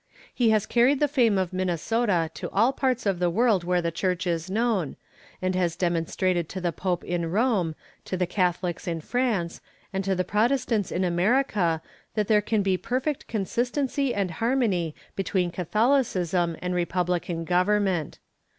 He has carried the fame of Minnesota to all parts of the world where the Church is known, and has demonstrated to the Pope in Rome, to the Catholics in France, and to the Protestants in America that there can be perfect consistency and harmony between Catholicism and republican government.